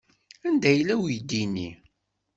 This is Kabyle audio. Anda yella uydi-nni?